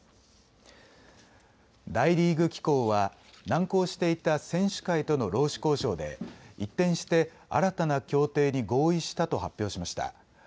大リーグ機構は難航していた選手会との労使交渉で一転して新たな協定に合意したと発表しました。